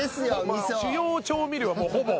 「主要調味料はもうほぼ」